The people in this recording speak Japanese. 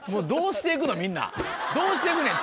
どうしていくねん？